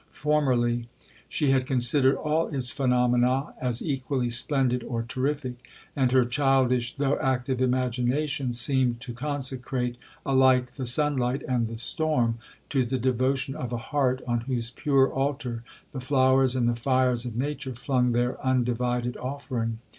Formerly, she had considered all its phenomena as equally splendid or terrific. And her childish, though active imagination, seemed to consecrate alike the sunlight and the storm, to the devotion of a heart, on whose pure altar the flowers and the fires of nature flung their undivided offering.